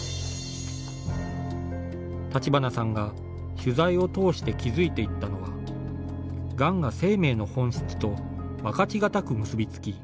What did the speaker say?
立花さんが取材を通して気付いていったのはがんが生命の本質と分かちがたく結び付き